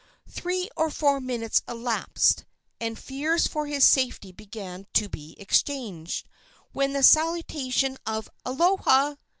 Three or four minutes elapsed, and fears for his safety began to be exchanged, when the salutation of "aloha!"